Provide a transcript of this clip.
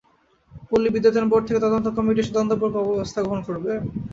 পল্লী বিদ্যুতায়ন বোর্ড থেকে তদন্ত কমিটি এসে তদন্তপূর্বক ব্যবস্থা গ্রহণ করবে।